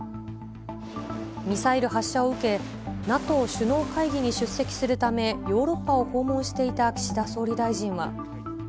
ミサイル発射を受け、ＮＡＴＯ首脳会議に出席するため、ヨーロッパを訪問していた岸田総理大臣は。